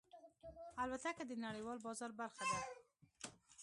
الوتکه د نړیوال بازار برخه ده.